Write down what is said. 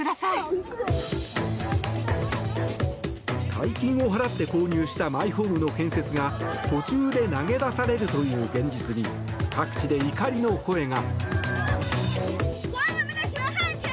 大金を払って購入したマイホームの建設が途中で投げ出されるという現実に各地で怒りの声が。